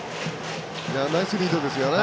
ナイスリードですよね。